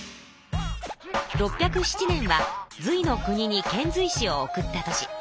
６０７年は隋の国に遣隋使を送った年。